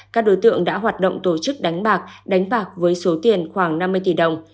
các đối tượng đã hoạt động tổ chức đánh bạc đánh bạc với số tiền khoảng năm mươi tỷ đồng